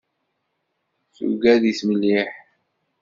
Tugad-it mliḥ.